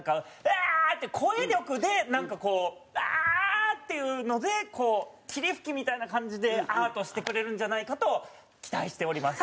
「アー！」っていう声力でなんかこう「アー！」っていうので霧吹きみたいな感じでアートしてくれるんじゃないかと期待しております。